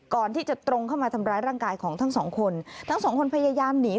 ก่อนที่จะตรงเข้ามาทำร้ายร่างกายของทั้งสองคนทั้งสองคนพยายามหนี